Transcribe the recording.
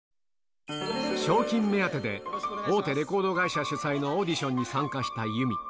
賞金目当てで、大手レコード会社主催のオーディションに参加した由美。